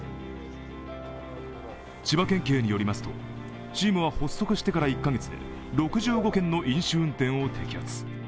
千葉県警によりますと、チームは発足してから１カ月で６５件の飲酒運転を摘発。